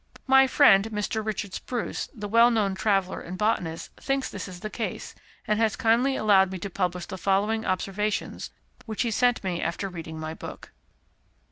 My friend, Mr. Richard Spruce, the well known traveller and botanist, thinks this is the case, and has kindly allowed me to publish the following observations, which he sent me after reading my book.